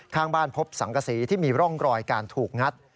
ข้างบ้านพบสังกษีที่มีร่องรอยการถูกงัด